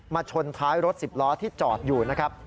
ชนท้ายรถสิบล้อที่จอดอยู่นะครับ